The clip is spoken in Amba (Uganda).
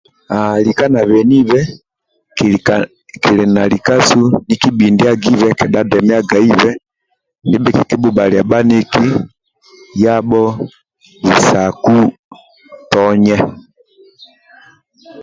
haaa lika na benibe kili na lika ni kibhindiagibe kedhatu demaibe ndikibhubhalya bhaniki yabho bisaku tonye